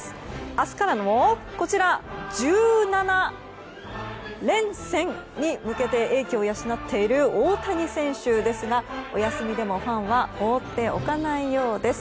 明日からの１７連戦に向けて英気を養っている大谷選手ですがお休みでもファンは放っておかないようです。